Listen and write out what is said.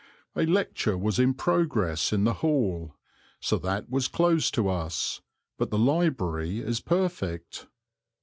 A lecture was in progress in the hall, so that was closed to us; but the library is perfect.